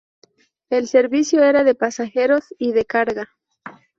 El servicio era de pasajeros y de carga.